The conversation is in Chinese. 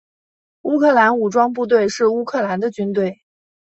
乌克兰武装部队是乌克兰的军队。